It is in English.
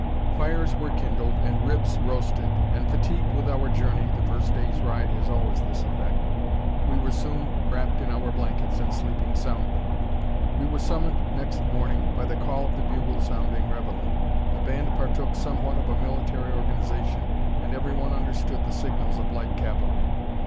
Fires were kindled, and ribs roasted; and fatigued with our journey (the first day's ride has always this effect), we were soon wrapped in our blankets and sleeping soundly. We were summoned next morning by the call of the bugle sounding reveille. The band partook somewhat of a military organisation, and everyone understood the signals of light cavalry.